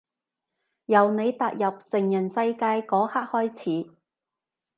由你踏入成人世界嗰刻開始